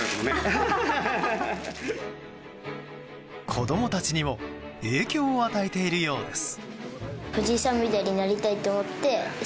子供たちにも影響を与えているようです。